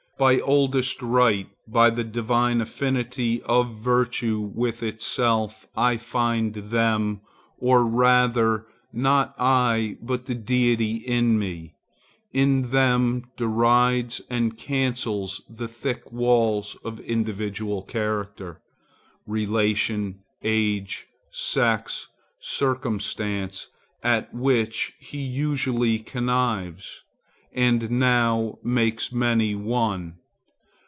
By oldest right, by the divine affinity of virtue with itself, I find them, or rather not I but the Deity in me and in them derides and cancels the thick walls of individual character, relation, age, sex, circumstance, at which he usually connives, and now makes many one.